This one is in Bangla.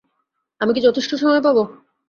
আমি কি যথেষ্ট সময় পাবো?